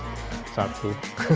punya kiosk satu